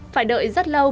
phải đợi rất lâu